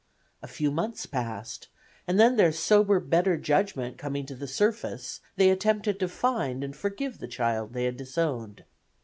A few months passed, and then their sober better judgment coming to the surface they attempted to find and forgive the child they had disowned.